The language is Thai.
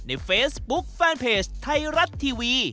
ในเฟซบุ๊คแฟนเพจไทยรัฐทีวี